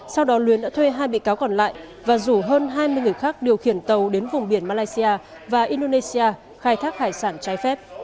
sau đó luyến đã thuê hai bị cáo còn lại và rủ hơn hai mươi người khác điều khiển tàu đến vùng biển malaysia và indonesia khai thác hải sản trái phép